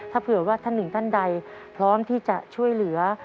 ถ้าเผื่อว่าท่านหนึ่งท่านใดพร้อมที่จะช่วยเหลือ